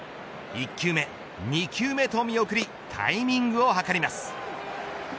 １球目２球目と見送りタイミングを計ります。